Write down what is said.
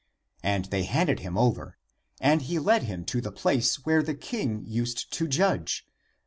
And they handed him over. And he led him to the place where the king used to judge.